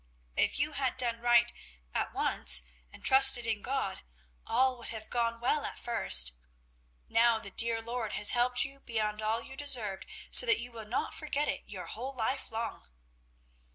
If you had done right at once, and trusted in God, all would have gone well at first. Now the dear Lord has helped you beyond all you deserved, so that you will not forget it your whole life long."